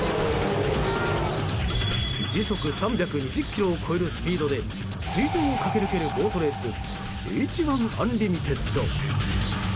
時速３２０キロを超えるスピードで水上を駆け抜けるボートレースＨ１アンリミテッド。